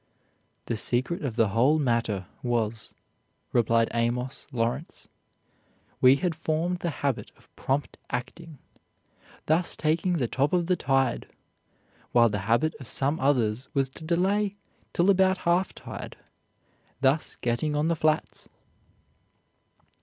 "The secret of the whole matter was," replied Amos Lawrence, "we had formed the habit of prompt acting, thus taking the top of the tide; while the habit of some others was to delay till about half tide, thus getting on the flats."